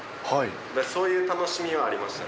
そういう楽しみはありましたね。